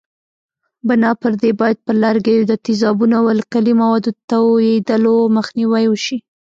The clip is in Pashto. بنا پر دې باید پر لرګیو د تیزابونو او القلي موادو توېدلو مخنیوی وشي.